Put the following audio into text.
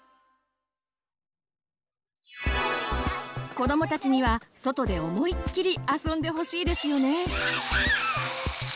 子どもたちには外で思いっきり遊んでほしいですよね。